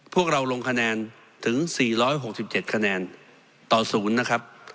พวกเราลงคะแนนถึง๔๖๗คะแนนต่อ๐นะครับ